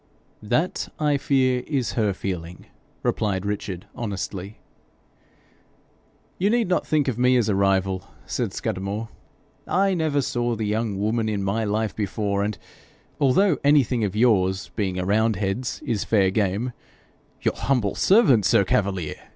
'That, I fear, is her feeling,' replied Richard, honestly. 'You need not think of me as a rival,' said Scudamore. 'I never saw the young woman in my life before, and although anything of yours, being a roundhead's, is fair game ' 'Your humble servant, sir Cavalier!'